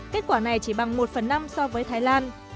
kết quả này chỉ bằng một phần năm so với thái lan